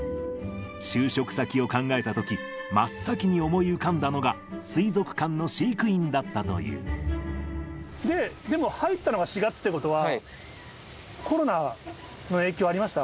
就職先を考えたとき、真っ先に思い浮かんだのが、水族館の飼育員でも、入ったのが４月ということは、コロナの影響ありました？